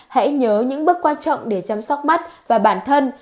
hãy nhớ những bước quan trọng để chăm sóc mắt và bản thân